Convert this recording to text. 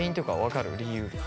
理由。